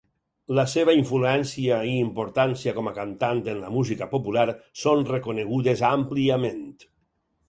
La seva influència i importància com a cantant en la música popular són reconegudes àmpliament.